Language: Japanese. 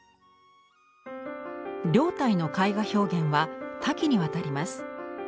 凌岱の絵画表現は多岐にわたります。